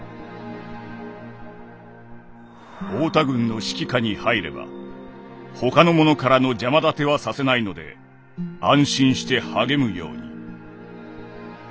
「太田軍の指揮下に入れば他の者からの邪魔立てはさせないので安心して励むように」。